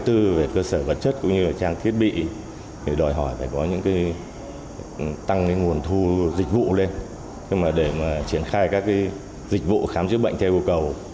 tăng nguồn thu dịch vụ lên để triển khai các dịch vụ khám chữa bệnh theo cầu